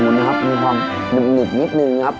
รู้สึกว่ามีความหลึบนิดนึงนะครับ